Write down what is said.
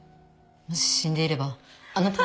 もし死んでいればあなたの罪。